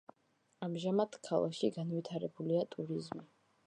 ამჟამად ქალაქში განვითარებულია ტურიზმი.